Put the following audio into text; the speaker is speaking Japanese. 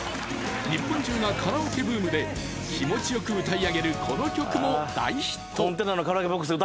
日本中がカラオケブームで気持ちよく歌いあげるこの曲も大ヒット